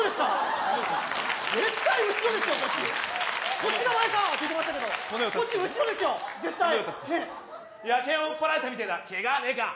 「こっちが前さ」って言ってましたけどこっち後ろですよ絶対野犬は追っ払えたみてえだケガはねえか？